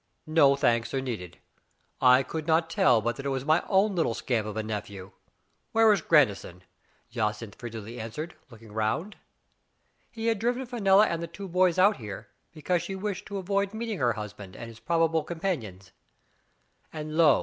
"No thanks are needed. I could not tell but that it was my own little scamp of a nephew. Where is Grandison?" Jacynth frigidly answered, looking round. He had driven Fenella and the two boys out here, because she wished to avoid meeting her husband and his probable compan ion. And, lo!